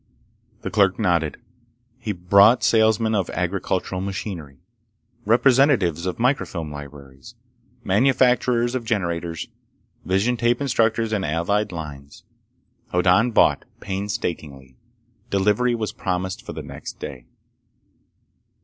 The clerk nodded. He brought salesmen of agricultural machinery. Representatives of microfilm libraries. Manufacturers of generators, vision tape instructors and allied lines. Hoddan bought, painstakingly. Delivery was promised for the next day.